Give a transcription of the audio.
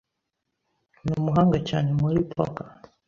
Ni umuhanga cyane kuri poker.